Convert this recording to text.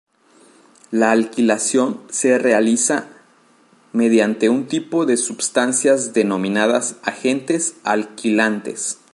La alquilación se realiza mediante un tipo de substancias denominadas agentes alquilantes.